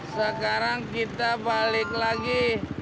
sekarang kita balik lagi